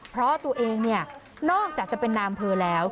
เพราะตัวเองเนี่ยนอกจากจะเป็นนามเภอแล้ว